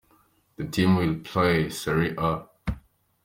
The team will play Seria A.